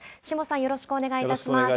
よろしくお願いします。